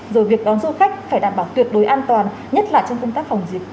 rồi việc đón du khách phải đảm bảo tuyệt đối an toàn nhất là trong công tác phòng dịch